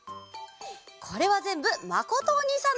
これはぜんぶまことおにいさんのえです！